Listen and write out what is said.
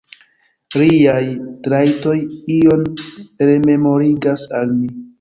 Liaj trajtoj ion rememorigas al mi.